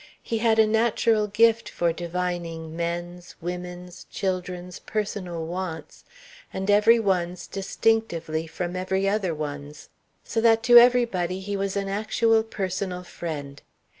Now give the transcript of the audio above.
He had a natural gift for divining men's, women's, children's personal wants, and every one's distinctively from every other one's. So that to everybody he was an actual personal friend.